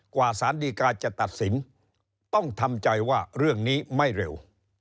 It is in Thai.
สารดีกาจะตัดสินต้องทำใจว่าเรื่องนี้ไม่เร็ว